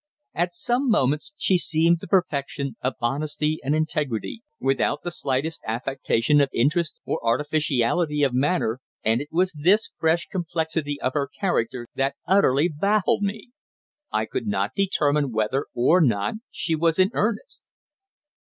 At some moments she seemed the perfection of honesty and integrity, without the slightest affectation of interest or artificiality of manner, and it was this fresh complexity of her character that utterly baffled me. I could not determine whether, or not, she was in earnest.